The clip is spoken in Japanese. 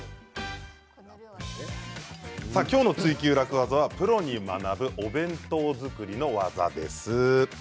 今日の「ツイＱ楽ワザ」はプロに学ぶお弁当作りの技です。